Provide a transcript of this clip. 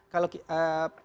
kalau kita lihat